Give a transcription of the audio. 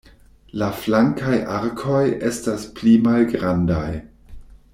La flankaj arkoj estas pli malgrandaj.